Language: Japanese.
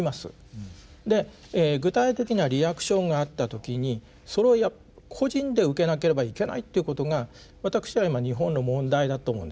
具体的なリアクションがあった時にそれを個人で受けなければいけないということが私は今日本の問題だと思うんですね。